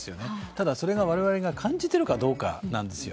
ただ、それを我々が感じているかどうか何ですよ。